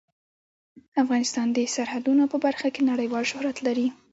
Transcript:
افغانستان د سرحدونه په برخه کې نړیوال شهرت لري.